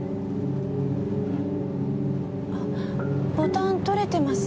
あボタン取れてますね。